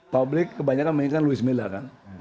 public kebanyakan menginginkan luiz mila kan